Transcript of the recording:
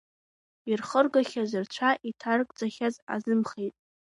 Ирхыргахьаз, рцәа иҭаргӡахьаз азымхеит.